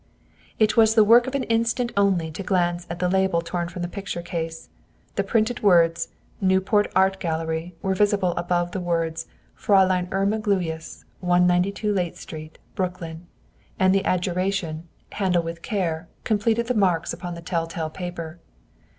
It was the work of an instant only to glance at the label torn from the picture case. The printed words, "Newport Art Gallery," were visible above the words, "Fräulein Irma Gluyas, 192 Layte Street, Brooklyn," and the adjuration, "Handle with care," completed the marks upon the tell tale paper.